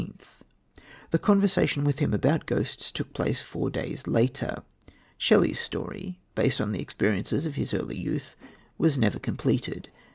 The conversation with him about ghosts took place four days later. Shelley's story, based on the experiences of his early youth, was never completed.